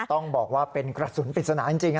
ต้องบอกว่าเป็นกระสุนปริศนาจริง